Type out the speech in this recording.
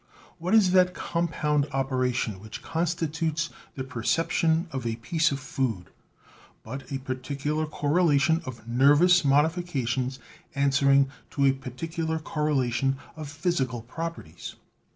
What is that compound operation which constitutes the perception of a piece of food, but a particular correlation of nervous modifications, answering to a particular correlation of physical proper ties